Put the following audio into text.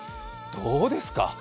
どうですか？